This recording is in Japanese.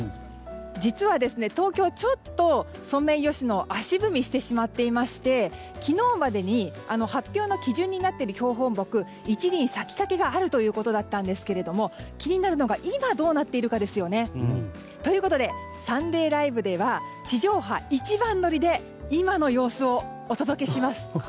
実は東京、ちょっとソメイヨシノ足踏みしてしまっていまして昨日までに発表の基準になっている標本木１輪、咲きかけがあるということだったんですけれども気になるのが今、どうなっているかですね。ということで「サンデーＬＩＶＥ！！」では地上波一番乗りで、今の様子をお届けします。